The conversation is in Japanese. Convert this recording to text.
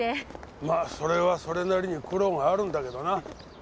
まあそれはそれなりに苦労があるんだけどな。